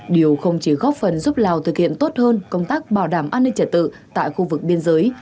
điều không chỉ góp phần giúp lào thực hiện tốt hơn công tác bảo đảm an ninh trả tự tại khu vực biên giới